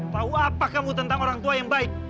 tahu apa kamu tentang orang tua yang baik